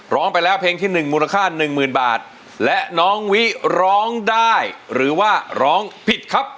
ร้องไปแล้วเพลงที่หนึ่งมูลค่าหนึ่งหมื่นบาทและน้องวิร้องได้หรือว่าร้องผิดครับ